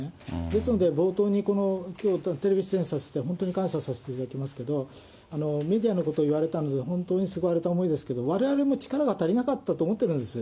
ですので、冒頭にきょうテレビ出演させていただいて、本当に感謝させていただきますけれども、メディアのことを言われたので、本当に救われた思いですけど、われわれも力が足りなかったと思ってるんです。